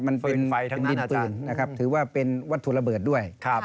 มันเป็นดินปืนนะครับถือว่าเป็นวัตถุระเบิดด้วย